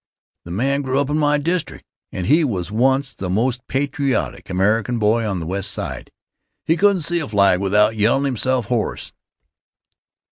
That man grew up in my district, and he was once the most patriotic American boy on the West Side. He couldn't see a flag without yellin' himself hoarse.